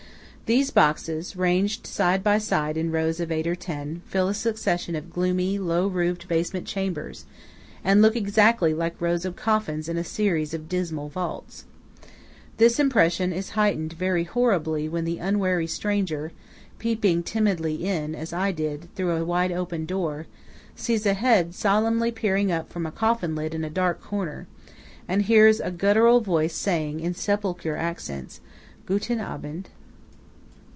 These boxes, ranged side by side in rows of eight or ten, fill a succession of gloomy, low roofed basement chambers, and look exactly like rows of coffins in a series of dismal vaults. This impression is heightened very horribly when the unwary stranger, peeping timidly in, as I did, through a wide open door, sees a head solemnly peering up from a coffin lid in a dark corner, and hears a guttural voice saying in sepulchral accents:–"Guten Abend."